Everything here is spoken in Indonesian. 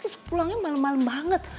sepulangnya malam malam banget